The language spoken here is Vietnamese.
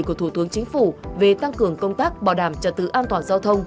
của thủ tướng chính phủ về tăng cường công tác bảo đảm trật tự an toàn giao thông